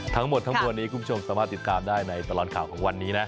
ทั้งหมดทั้งมวลนี้คุณผู้ชมสามารถติดตามได้ในตลอดข่าวของวันนี้นะ